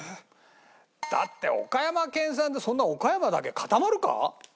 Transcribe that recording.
だって岡山県産でそんな岡山だけで固まるか？